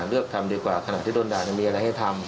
เลือกทำดีกว่าขณะที่โดนด่ายังมีอะไรให้ทำ